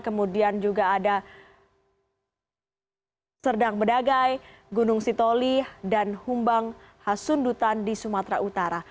kemudian juga ada serdang bedagai gunung sitoli dan humbang hasundutan di sumatera utara